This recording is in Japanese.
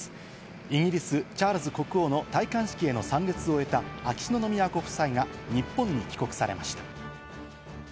イギリス、チャールズ国王の戴冠式への参列を終えた、秋篠宮ご夫妻が日本に帰国されました。